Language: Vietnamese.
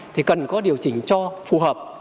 thì cần có điều chỉnh cho phù hợp